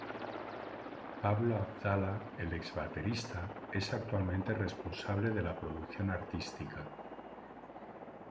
Pablo Abdala, el ex baterista, es actualmente responsable de la producción artística.